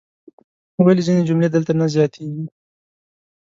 ولې ځینې جملې دلته نه زیاتیږي؟